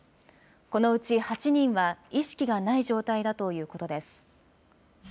このうち８人は意識がない状態だということです。